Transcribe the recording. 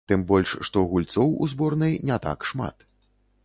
Тым больш, што гульцоў у зборнай не так шмат.